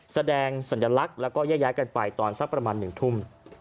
แสดงสัญลักษณ์แล้วก็แยกย้ายกันไปตอนสักประมาณ๑ทุ่ม